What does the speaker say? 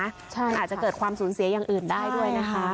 มันอาจจะเกิดความสูญเสียอย่างอื่นได้ด้วยนะคะ